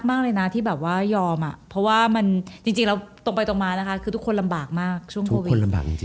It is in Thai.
มากเลยนะที่แบบว่ายอมอ่ะเพราะว่ามันจริงแล้วตรงไปตรงมานะคะคือทุกคนลำบากมากช่วงโควิดคนลำบากจริง